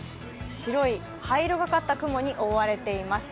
白い灰色がかった雲に覆われています。